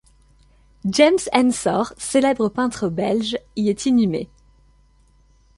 James Ensor, célèbre peintre belge, y est inhumé.